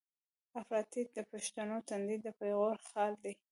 افراطيت د پښتنو د تندي د پېغور خال دی.